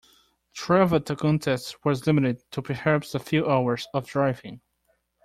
Travel to contests was limited to perhaps a few hours of driving.